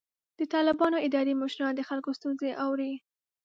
د طالبانو اداري مشران د خلکو ستونزې اوري.